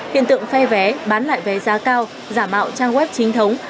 hiện tượng phe vé bán lại vé giá cao giả mạo trang web chính thống